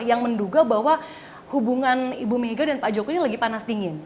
yang menduga bahwa hubungan ibu mega dan pak jokowi ini lagi panas dingin